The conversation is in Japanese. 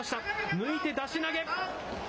抜いて出し投げ。